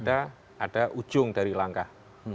ada ujung dari langkah